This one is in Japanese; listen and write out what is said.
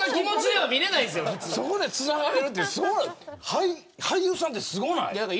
そこで、つながれるって俳優さんってすごくないですか。